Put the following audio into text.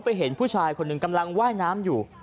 เห็นผู้ชายคนหนึ่งกำลังว่ายน้ำอยู่